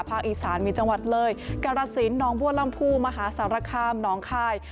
อีสานมีจังหวัดเลยกรสินน้องบัวลำพูมหาสารคามหนองคาย